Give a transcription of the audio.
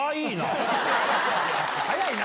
早いな！